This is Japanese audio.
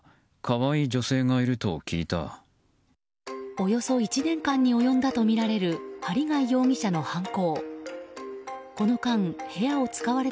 およそ１年間に及んだとみられる針谷容疑者の犯行。